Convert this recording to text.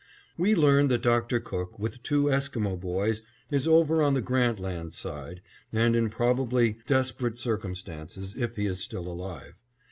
We learn that Dr. Cook, with two Esquimo boys, is over on the Grant Land side, and in probably desperate circumstances, if he is still alive.